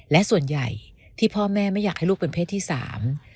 และส่วนใหญ่ที่พ่อแม่ไม่อยากให้ลูกเป็นเพศที่สาม